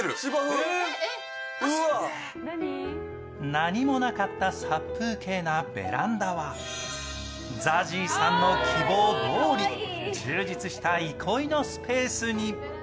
何もなかった殺風景なベランダはＺＡＺＹさんの希望どおり充実した憩いのスペースに。